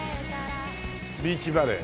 ビーチバレー。